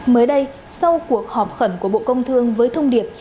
mới đây sau cuộc họp khẩn của bộ công thương với thông điệp